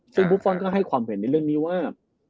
ซึ่งบุฟฟอลก็ให้ความเห็นในเรื่องนี้ว่า